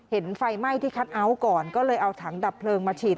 ไฟไหม้ที่คัทเอาท์ก่อนก็เลยเอาถังดับเพลิงมาฉีด